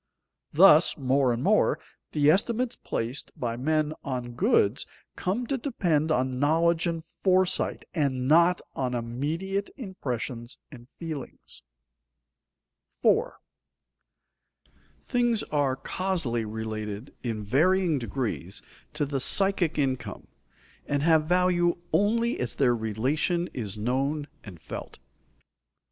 Thus, more and more, the estimates placed by men on goods come to depend on knowledge and foresight, and not on immediate impressions and feelings. [Sidenote: Goods related in varying degrees to psychic income] 4. _Things are causally related in varying degrees to the psychic income, and have value only as their relation is known and felt.